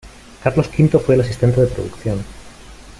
Carlos Quinto fue el asistente de producción.